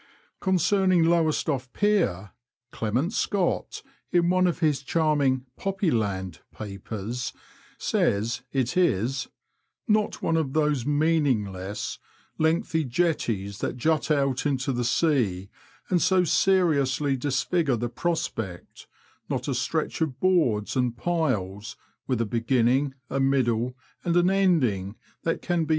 Concerning Lowestoft Pier, Clement Scott, in one of his charming Poppy Land papers, says it is " not one of those meaningless, lengthy jetties that jut out into the sea and so seriously disfigure the prospect, not a stretch of boards and piles, with a beginning, a middle, and an ending that can be Digitized by VjOOQIC NORWICH TO LOWESTOFT.